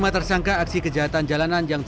lima tersangka aksi kejahatan jalanan yang